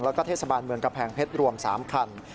แล้วก็เทศบาลเมืองกำแพงเพชรรวม๓คัน